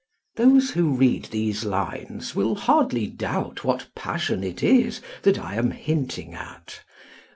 Those who read these lines will hardly doubt what passion it is that I am hinting at.